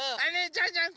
ジャンジャン